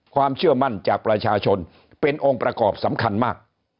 ความเชื่อมั่นจากประชาชนเป็นองค์ประกอบสำคัญมาก